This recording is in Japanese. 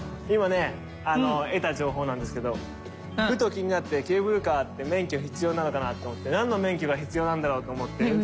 今ねあの得た情報なんですけどふと気になってケーブルカーって免許必要なのかなと思ってなんの免許が必要なんだろうと思って。